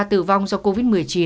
tử vong do covid một mươi chín